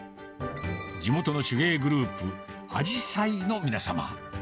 地元の手芸グループ、あじさいの皆様。